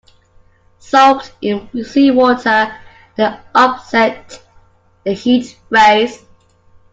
Soaked in seawater they offset the heat rays.